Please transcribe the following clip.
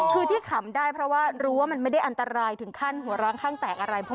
คือที่ขำได้เพราะว่ารู้ว่ามันไม่ได้อันตรายถึงขั้นหัวร้างข้างแตกอะไร